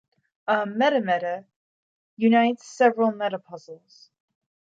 A "meta-meta" unites several metapuzzles.